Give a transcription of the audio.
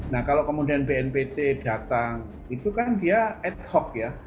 nah kalau kemudian bnpt datang itu kan dia ad hoc ya